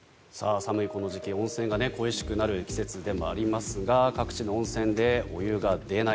寒いこの時期温泉が恋しくなる時期でもありますが各地の温泉でお湯が出ない